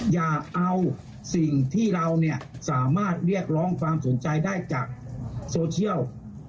อย่าเอาสิ่งที่เราสามารถเรียกร้องความสนใจได้จากโซเชียล